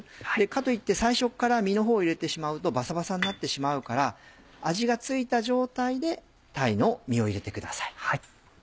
かといって最初っから身のほうを入れてしまうとバサバサになってしまうから味が付いた状態で鯛の身を入れてください。